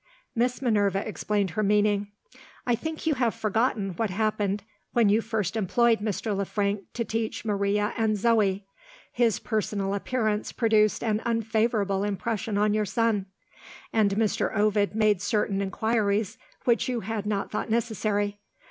Miss Minerva explained her meaning. "I think you have forgotten what happened, when you first employed Mr. Le Frank to teach Maria and Zoe. His personal appearance produced an unfavourable impression on your son; and Mr. Ovid made certain inquiries which you had not thought necessary.